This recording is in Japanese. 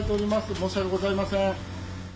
申し訳ございません。